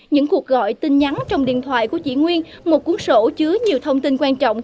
những cuộc gọi tin nhắn trong điện thoại của chị nguyên một cuốn sổ chứa nhiều thông tin quan trọng